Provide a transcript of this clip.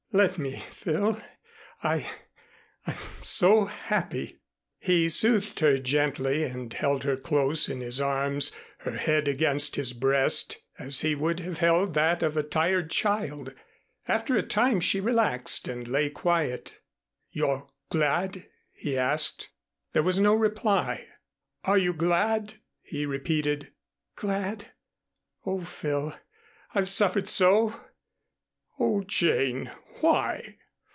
"Let me, Phil, I I'm so happy." He soothed her gently and held her close in his arms, her head against his breast, as he would have held that of a tired child. After a time she relaxed and lay quiet. "You're glad?" he asked. There was no reply. "Are you glad?" he repeated. "Glad! Oh, Phil, I've suffered so." "Oh, Jane, why?